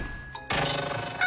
あ！